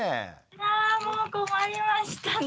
あもう困りましたね。